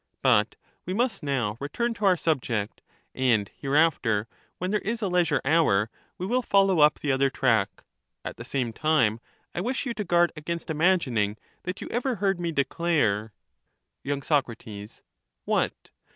But we must now return to our subject ; and hereafter, when there is a leisure hour, we will follow up the other track ; at the same time, I wish you to guard against imagining that you ever heard me declare — Y.Soc. What?